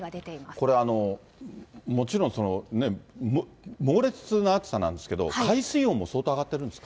これ、もちろん猛烈な暑さなんですけど、海水温も相当上がってるんですか？